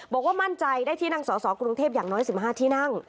บอกว่ามั่นใจได้ที่นั่งสอสอกรุงเทพอย่างน้อย๑๕ที่นั่ง